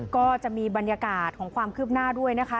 ก็จะมีบรรยากาศของความคืบหน้าด้วยนะคะ